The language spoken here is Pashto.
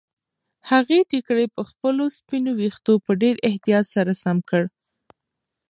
هغې ټیکری پر خپلو سپینو ویښتو په ډېر احتیاط سره سم کړ.